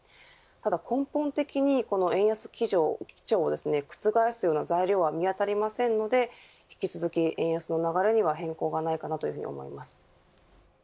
ただ根本的に円安基調を覆すような材料は見つからないので引き続き、円安の流れには変更はないと思います。